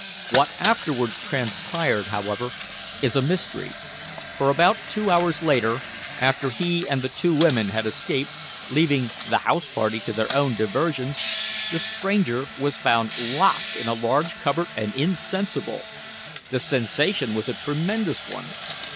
What afterwards transpired, however, is a mystery, for two hours later, after he and the two women had escaped, leaving the house party to their own diversions, the stranger was found locked in a large cupboard and insensible. The sensation was a tremendous one.